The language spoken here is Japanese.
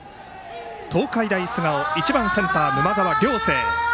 東海大菅生１番センター、沼澤梁成。